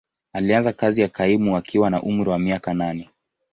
Alianza kazi ya kaimu akiwa na umri wa miaka nane.